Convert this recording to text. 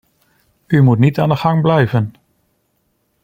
U moet niet aan de gang blijven.